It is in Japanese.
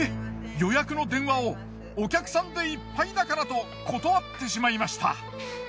予約の電話をお客さんでいっぱいだからと断ってしまいました。